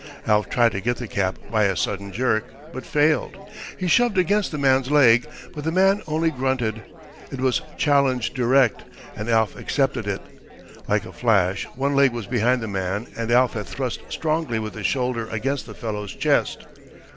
Alf tried to get the cap by a sudden jerk, but failed. He shoved against the man's leg, but the man only grunted. It was challenge direct, and Alf accepted it. Like a flash one leg was behind the man and Alf had thrust strongly with his shoulder against the fellow's chest.